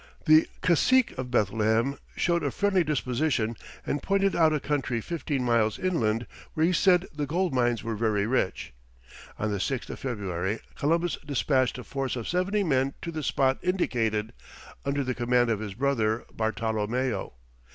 The cacique of Bethlehem showed a friendly disposition, and pointed out a country fifteen miles inland, where he said the gold mines were very rich. On the 6th of February, Columbus despatched a force of seventy men to the spot indicated, under the command of his brother Bartolomeo.